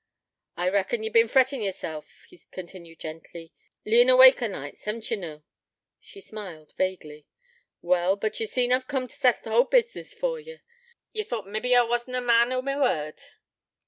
'I reckon ye've been frettin' yeself,' he continued gently, 'leein' awake o' nights, hev'n't yee, noo?' She smiled vaguely. 'Well, but ye see I've coom t' settle t' whole business for ye. Ye thought mabbe that I was na a man o' my word.'